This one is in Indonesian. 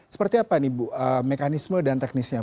seperti apa nih bu mekanisme dan teknisnya